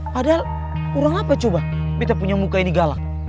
padahal kurang apa coba kita punya muka ini galak